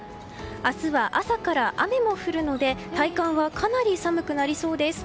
明日は朝から雨も降るので体感はかなり寒くなりそうです。